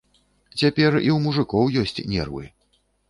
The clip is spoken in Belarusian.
Цяпер і ў мужыкоў ёсць нервы.